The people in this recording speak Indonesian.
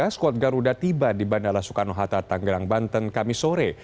skuad garuda tiba di bandara soekarno hatta tanggerang banten kami sore